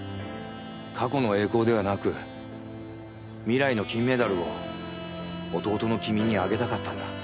過去の栄光ではなく未来の金メダルを弟の君にあげたかったんだ。